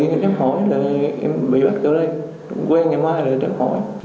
khi em tiếp hỏi là em bị bắt ở đây quen ngày mai là tiếp hỏi